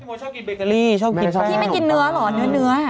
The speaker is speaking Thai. พี่โมชอบกินเบเกอรี่ชอบกินแป้งพี่ไม่กินเนื้อเหรอเนื้อ